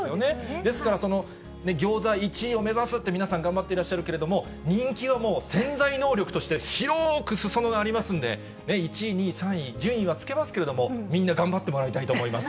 ですからそのギョーザ１位を目指すって皆さん、頑張っていらっしゃるけれども、人気はもう、潜在能力として広ーくすそ野がありますんで、１位、２位、３位、順位はつけますけれども、みんな頑張ってもらいたいと思います。